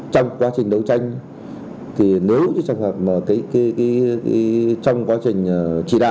trong quá trình đấu tranh trong quá trình chỉ đạo